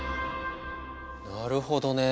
なるほどね。